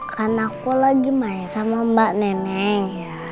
karena aku lagi main sama mbak neneng